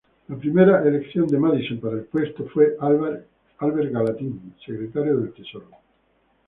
La primera elección de Madison para el puesto fue Albert Gallatin, secretario del Tesoro.